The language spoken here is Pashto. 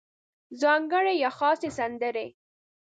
ځانګړې یا خاصې سندرې